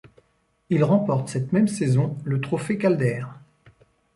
Il remporte cette même saison le trophée Calder.